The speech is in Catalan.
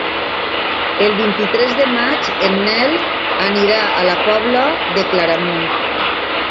El vint-i-tres de maig en Nel anirà a la Pobla de Claramunt.